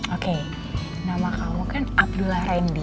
oke nama kamu kan abdullah randy